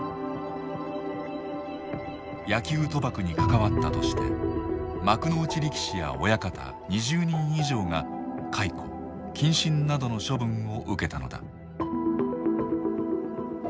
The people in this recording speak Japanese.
野球賭博に関わったとして幕内力士や親方２０人以上が解雇謹慎などの処分を受けたのだ。